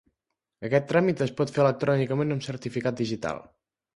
Aquest tràmit es pot fer electrònicament amb certificat digital.